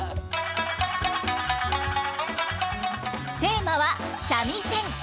テーマは「三味線」。